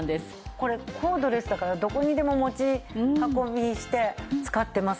これコードレスだからどこにでも持ち運びして使ってます。